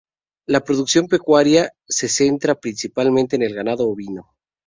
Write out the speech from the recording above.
La producción pecuaria se centra principalmente en el ganado bovino.